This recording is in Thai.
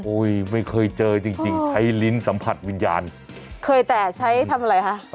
ไม่เคยเจอจริงจริงใช้ลิ้นสัมผัสวิญญาณเคยแต่ใช้ทำอะไรฮะ